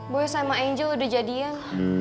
boy sama angel udah jadian